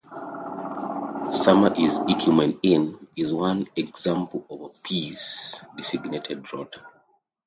"Sumer is icumen in" is one example of a piece designated rota.